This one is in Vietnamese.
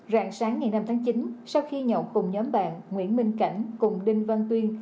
rạng sáng ngày năm tháng chín sau khi nhậu cùng nhóm bạn nguyễn minh cảnh cùng đinh văn tuyên